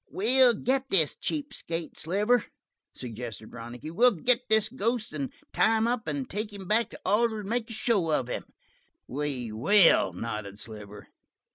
"We'll get this cheap skate, Sliver," suggested Ronicky. "We'll get this ghost and tie him up and take him back to Alder and make a show of him." "We will," nodded Sliver.